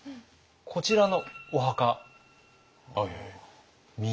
こちらのお墓。